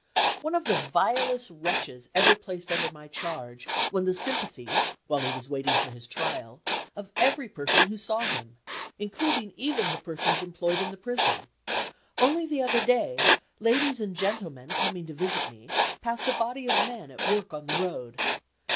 One of the vilest wretches ever placed under my charge won the sympathies (while he was waiting for his trial) of every person who saw him, including even the persons employed in the prison. Only the other day, ladies and gentlemen coming to visit me passed a body of men at work on the road.